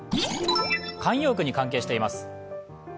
慣用句に関係しています。